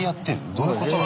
どういうことなの？